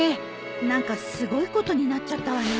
何かすごいことになっちゃったわね。